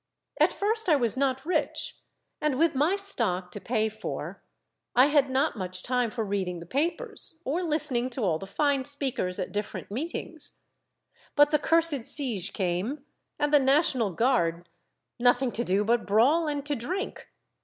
At first I was not rich, and with my stock to pay for I had Aboard: A Monologue, 189 not much time for reading the papers, or listening to all the fine speakers at different meetings. But the cursed siege came, and the national guard, — nothing to do but to brawl and to drink.